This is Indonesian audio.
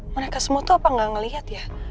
mereka semua tuh apa gak ngeliat ya